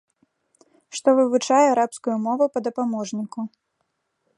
Што вывучае арабскую мову па дапаможніку.